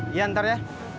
iya ntar ya